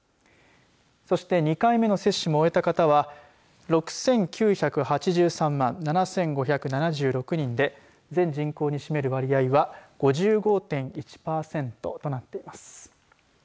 そして２回目の接種も終えた方は６９８３万７５７６人で全人口に占める割合は５５．１パーセントとなっています。